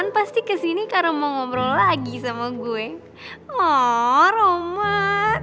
bikin gue malu aja deh